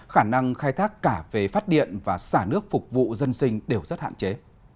khả năng khai thác cả về phát điện và xả nước phục vụ dân sinh đều rất hạn chế